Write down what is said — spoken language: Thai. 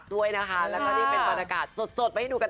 ก็ได้แต่ยกมือนะคะ